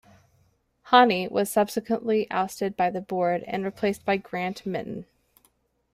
Hanni was subsequently ousted by the board and replaced by Grant Mitton.